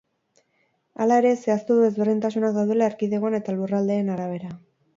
Hala ere, zehaztu du ezberdintasunak daudela erkidegoen eta lurraldeen arabera.